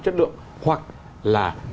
chất lượng hoặc là